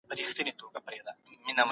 ګناهوي پريږده.